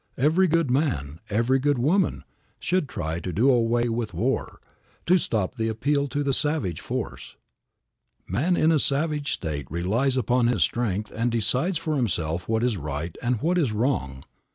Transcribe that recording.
Every good man, every good woman, should try to do away with war, to stop the appeal to savage force. Man in a savage state relies upon his strength, and decides for himself what is right and what is wrong.